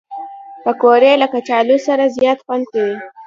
پکورې له کچالو سره زیات خوند کوي